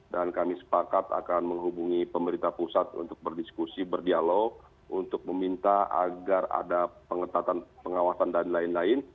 dan kami sepakat akan menghubungi pemerintah pusat untuk berdiskusi berdialog untuk meminta agar ada pengetatan pengawasan dan lain lain